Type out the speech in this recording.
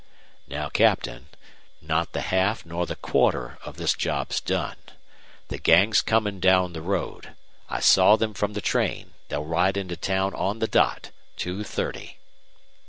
"Now, Captain, not the half nor the quarter of this job's done. The gang's coming down the road. I saw them from the train. They'll ride into town on the dot two thirty."